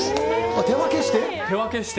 えー？手分けして。